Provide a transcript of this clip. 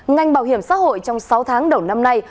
ngành bảo hiểm xã hội trong sáu tháng đầu năm nay